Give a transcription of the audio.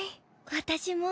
私も。